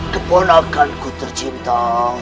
keponakan ku tercinta